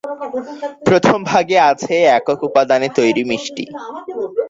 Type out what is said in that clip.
প্রথম ভাগে আছে একক উপাদানে তৈরি মিষ্টি।